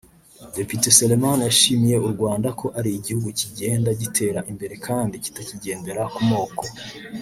Depite Selemani yashimiye u Rwanda ko ari igihugu kigenda gitera imbere kandi kitakigendera ku moko